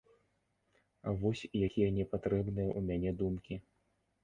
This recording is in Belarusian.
Вось якія непатрэбныя ў мяне думкі.